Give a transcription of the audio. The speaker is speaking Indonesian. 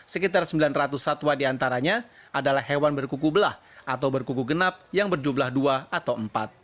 sekitar sembilan ratus satwa diantaranya adalah hewan berkuku belah atau berkuku genap yang berjumlah dua atau empat